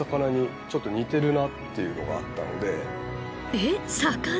えっ魚？